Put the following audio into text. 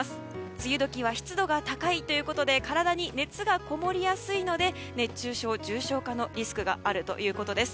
梅雨時は湿度が高く体に熱がこもりやすいので熱中症重症化のリスクがあるということです。